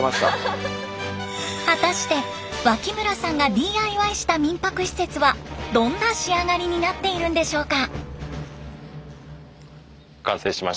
果たして脇村さんがＤＩＹした民泊施設はどんな仕上がりになっているんでしょうか？